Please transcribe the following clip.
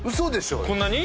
こんなに？